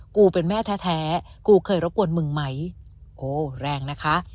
กูเป็นแม่แท้กูเคยรบกวนมึงไหมโอ้แรงนะคะ